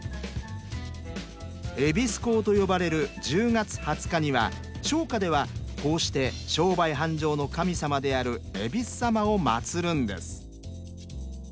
夷講と呼ばれる１０月２０日には商家ではこうして商売繁盛の神様である恵比寿様を祭るんです。